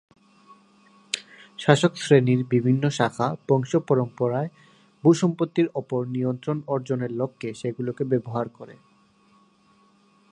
শাসকশ্রেণীর বিভিন্ন শাখা বংশপরম্পরায় ভূসম্পত্তির ওপর নিয়ন্ত্রণ অর্জনের লক্ষ্যে সেগুলোকে ব্যবহার করে।